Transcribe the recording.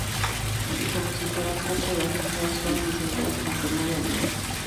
Y como si fuera poco, las entradas fueron diseñadas con forma de avión.